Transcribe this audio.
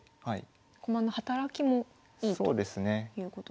駒の働きもいいということ。